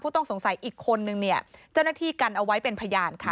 ต้องสงสัยอีกคนนึงเนี่ยเจ้าหน้าที่กันเอาไว้เป็นพยานค่ะ